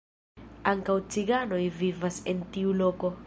Ankaŭ ciganoj vivas en tiu loko.